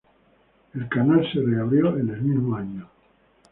El canal se reabrió en el mismo año.